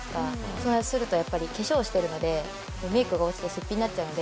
そうするとやっぱり化粧してるのでメイクが落ちてスッピンになっちゃうので。